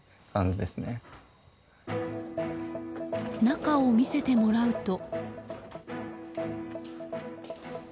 中を見せてもらうと。